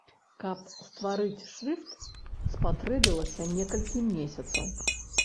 Каб стварыць шрыфт, спатрэбілася некалькі месяцаў.